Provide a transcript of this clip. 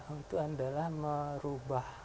itu adalah merubah